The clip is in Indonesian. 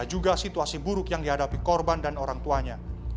ada juga situasi buruk yang dihadapi korban dan orang tuanya